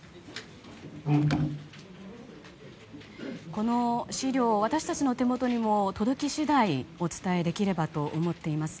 この資料私たちの手元にも届き次第お伝えできればと思っています。